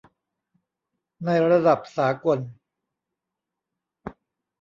ในระดับสากล